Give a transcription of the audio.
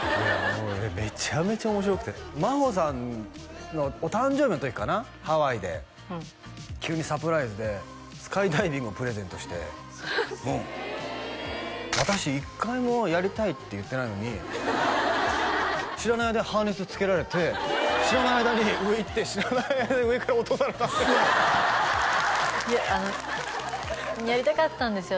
もうめちゃめちゃ面白くて真帆さんのお誕生日の時かなハワイで急にサプライズでスカイダイビングをプレゼントして私一回もやりたいって言ってないのに知らない間にハーネスつけられて知らない間に上行って知らない間に上から落とされたっていやあのやりたかったんですよ